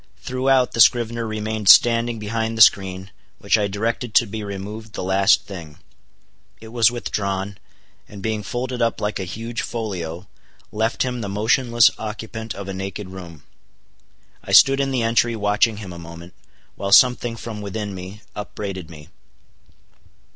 Throughout, the scrivener remained standing behind the screen, which I directed to be removed the last thing. It was withdrawn; and being folded up like a huge folio, left him the motionless occupant of a naked room. I stood in the entry watching him a moment, while something from within me upbraided me.